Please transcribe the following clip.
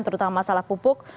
terutama masalah pupuk